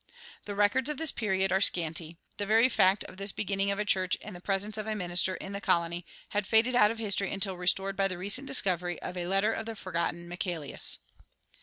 The records of this period are scanty; the very fact of this beginning of a church and the presence of a minister in the colony had faded out of history until restored by the recent discovery of a letter of the forgotten Michaelius.